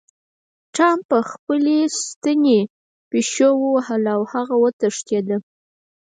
ټام په خپلې ستنې پیشو ووهله او هغه وتښتیده.